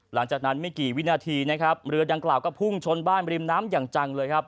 หลังจากนั้นไม่กี่วินาทีนะครับเรือดังกล่าวก็พุ่งชนบ้านริมน้ำอย่างจังเลยครับ